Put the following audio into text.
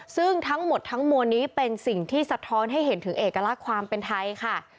ซึ่งทั้งหมดทั้งมวลนี้เป็นสิ่งที่สะท้อนให้เห็นถึงเอกลักษณ์ความเป็นไทยค่ะ